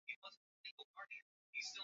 bila hivyo